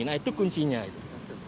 nah itu kuncinya itu